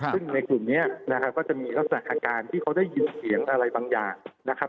ซึ่งในกลุ่มนี้นะครับก็จะมีลักษณะอาการที่เขาได้ยินเสียงอะไรบางอย่างนะครับ